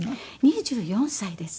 ２４歳です。